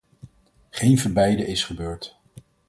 Geen van beide is gebeurd.